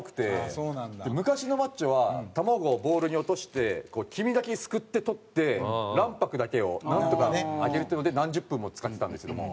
昔のマッチョは卵をボウルに落として黄身だけすくって取って卵白だけをなんとか上げるっていうので何十分も使ってたんですけども。